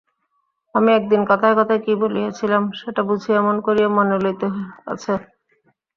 আমি একদিন কথায় কথায় কী বলিয়াছিলাম, সেটা বুঝি এমন করিয়া মনে লইতে আছে?